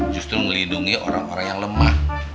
justru melindungi orang orang yang lemah